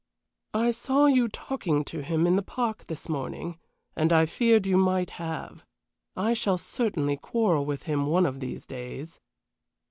"I saw you talking to him in the park this morning, and I feared you might have. I shall certainly quarrel with him one of these days."